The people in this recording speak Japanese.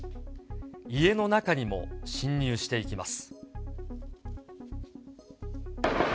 家の中にも侵入していきます。